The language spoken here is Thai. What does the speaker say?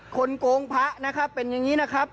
คนโกงพระเป็นอย่างนี้นะครับ